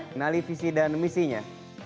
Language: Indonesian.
kenali visi dan misinya